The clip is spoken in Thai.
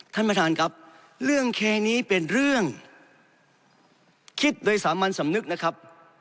ท่านประธานครับเรื่องแค่นี้เป็นเรื่องคิดโดยสามัญสำนึกนะครับ